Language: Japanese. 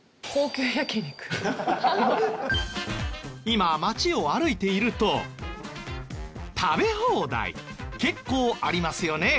今街を歩いていると食べ放題結構ありますよね。